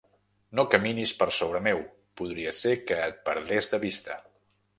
No caminis per sobre meu, podria ser que et perdés de vista.